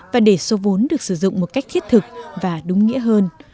và để số vốn được sử dụng một cách thiết thực và đúng nghĩa hơn